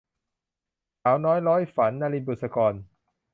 สาวน้อยร้อยฝัน - นลิน บุษกร